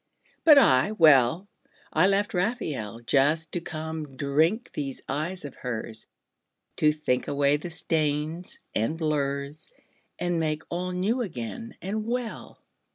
But I, well, I left Raphael Just to come drink these eyes of hers, To think away the stains and blurs And make all new again and well.